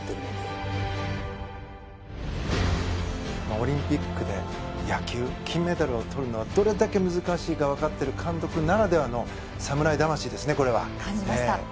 オリンピックで野球金メダルを取るのがどれだけ難しいかわかってる監督ならではの侍魂ですねこれは。感じました。